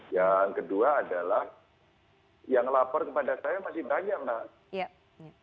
yang kedua adalah yang lapor kepada saya masih banyak mbak